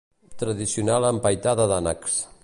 Tradicional empaitada d'ànecs.